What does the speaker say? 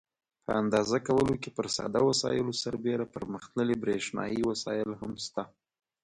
په اندازه کولو کې پر ساده وسایلو سربېره پرمختللي برېښنایي وسایل هم شته.